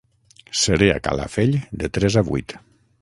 Seré a Calafell de tres a vuit.